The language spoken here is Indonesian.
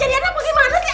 jadi ada apa gimana sih